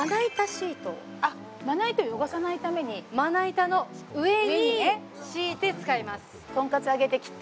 シートあっまな板を汚さないためにまな板の上に敷いて使います